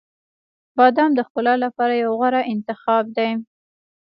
• بادام د ښکلا لپاره یو غوره انتخاب دی.